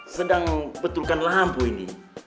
sedang betulkan lampu ini